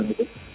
di kelas tiga